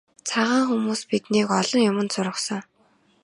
Цагаан хүмүүс биднийг олон юманд сургасан.